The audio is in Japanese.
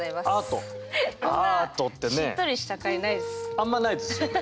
あんまないですよね。